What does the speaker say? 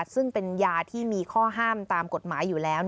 ซึ่งเป็นยาที่มีข้อห้ามตามกฎหมายอยู่แล้ว